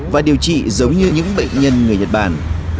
và điều trị giống như những bệnh nhân người nhật bản